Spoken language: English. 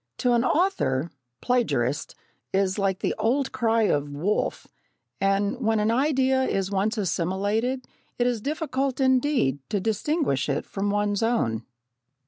To an author, "Plagiarist" is like the old cry of "Wolf," and when an idea is once assimilated it is difficult indeed to distinguish it from one's own.